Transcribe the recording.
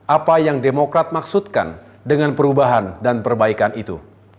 apa yang perubahan dan perbaikan itu